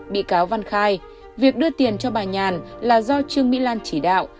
bị cáo văn khai việc đưa tiền cho bà nhàn là do trương mỹ lan chỉ đạo